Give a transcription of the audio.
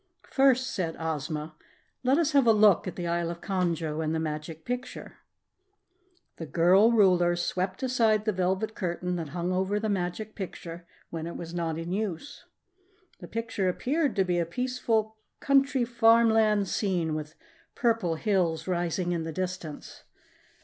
"First," said Ozma, "let us have a look at the Isle of Conjo in the Magic Picture." The girl Ruler swept aside the velvet curtain that hung over the Magic Picture when it was not in use. The picture appeared to be a peaceful, country farmland scene with purple hills rising in the distance.